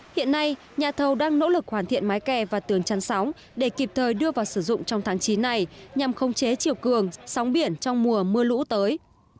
hiện nay nhà thầu đang nỗ lực hoàn thiện mái kè và tường chắn sóng để kịp thời đưa vào sử dụng trong tháng chín này nhằm khống chế chiều cường sóng biển trong mùa mưa lũ tới